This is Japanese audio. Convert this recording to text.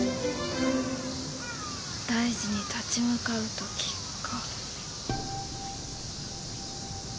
大事に立ち向かうときか。